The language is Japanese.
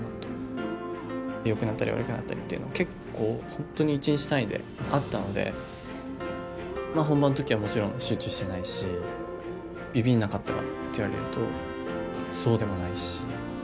よくなったり悪くなったりっていうの結構本当に１日単位であったのでまあ本番の時はもちろん集中してないしビビんなかったかっていわれるとそうでもないし。